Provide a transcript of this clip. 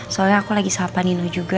soalnya aku lagi sahabat nino juga